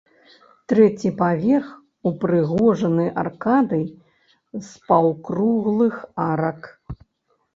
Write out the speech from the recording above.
Трэці паверх упрыгожаны аркадай з паўкруглых арак.